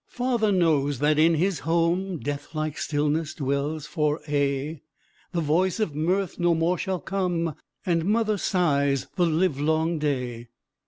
V Father knows that in his home Deathlike stillness dwells for aye; The voice of mirth no more shall come, And mother sighs the livelong day.